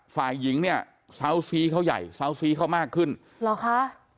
ฝ่ายหญิงเนี่ยเซาซีเขาใหญ่เซาซีเขามากขึ้นเหรอคะ